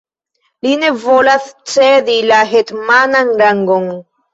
Li ne volas cedi la hetmanan rangon!